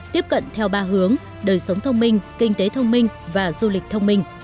tiếp cận theo ba hướng đời sống thông minh kinh tế thông minh và du lịch thông minh